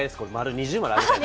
二重丸をあげたい。